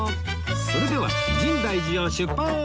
それでは深大寺を出発！